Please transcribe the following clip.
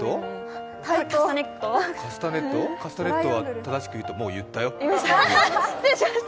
カスタネットは正しく言うと、もう言ったよ。